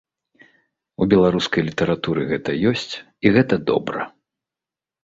У беларускай літаратуры гэта ёсць, і гэта добра.